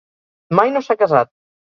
Mai no s'ha casat.